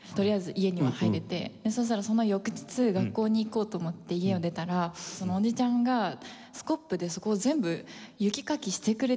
そうしたらその翌日学校に行こうと思って家を出たらそのおじちゃんがスコップでそこを全部雪かきしてくれていて。